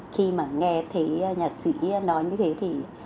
khi mà nghe thấy nhạc sĩ nói như thế thì